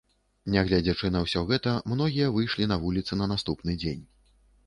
Нягледзячы на ўсё гэта, многія выйшлі на вуліцы на наступны дзень.